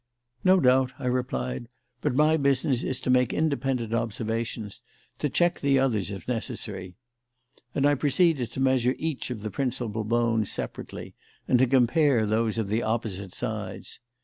"No doubt," I replied; "but my business is to make independent observations, to check the others, if necessary." And I proceeded to measure each of the principal bones separately and to compare those of the opposite sides.